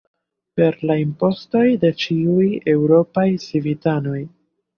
Per la impostoj de ĉiuj eŭropaj civitanoj.